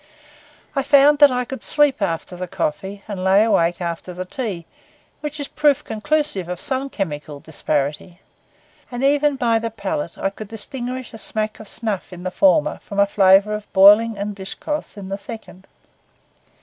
I found that I could sleep after the coffee and lay awake after the tea, which is proof conclusive of some chemical disparity; and even by the palate I could distinguish a smack of snuff in the former from a flavour of boiling and dish cloths in the second.